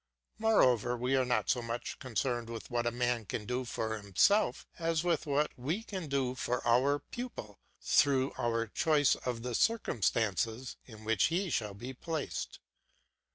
Moreover, we are not so much concerned with what a man can do for himself, as with what we can do for our pupil through our choice of the circumstances in which he shall be placed.